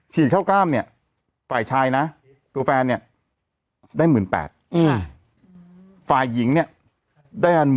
เข้ากล้ามเนี่ยฝ่ายชายนะตัวแฟนเนี่ยได้๑๘๐๐ฝ่ายหญิงเนี่ยได้อัน